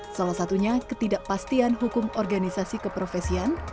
salah satunya ketidakpastian hukum organisasi keprofesian